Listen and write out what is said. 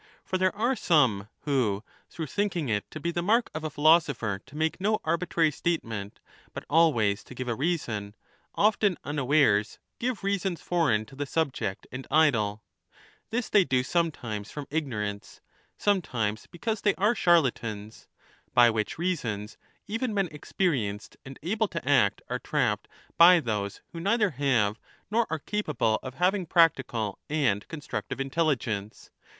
For there 1217^ are some who, through thinking it to be the mark of a philosopher to make no arbitrary statement but always to give a reason, often unawares give reasons foreign to the subject and idle — this they do sometimes from ignorance, sometimes because they are charlatans — by which reasons 5 even men experienced and able to act are trapped by those who neither have nor are capable of having practical and constructive intelligence.